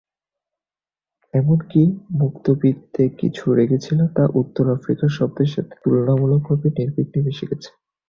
এমনকি "মেকতৌবি"-তে কিছু রেগে ছিল, যা উত্তর আফ্রিকার শব্দের সাথে তুলনামূলকভাবে নির্বিঘ্নে মিশে গিয়েছিল।